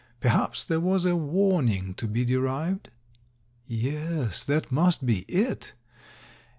Perhaps there was a warning to be de rived? Yes, that must be it!